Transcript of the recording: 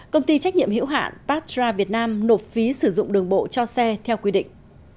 công ty trách nhiệm hữu hạn pastra việt nam nộp phí sử dụng đường bộ cho xe theo quy định